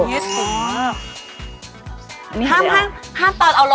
กี่ขั้นคะ